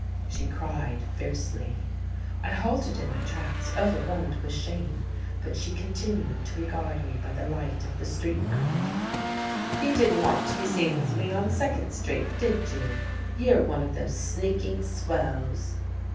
she cried fiercely. I halted in my tracks, overwhelmed with shame. But she continued to regard me by the light of the street lamp. "You didn't want to be seen with me on Second Street, did you? You're one of those sneaking swells."